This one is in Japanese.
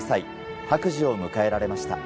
白寿を迎えられました。